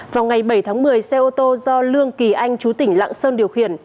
vào ngày bảy tháng một mươi xe ô tô do lương kỳ anh chú tỉnh lạng sơn điều khiển